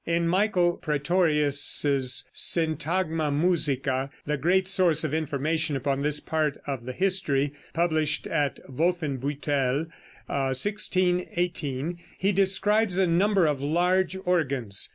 In Michael Prætorius' "Syntagma Musica," the great source of information upon this part of the history (published at Wolfenbüttel, 1618), he describes a number of large organs.